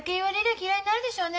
嫌いになるでしょうね。